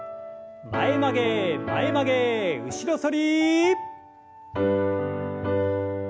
前曲げ前曲げ後ろ反り。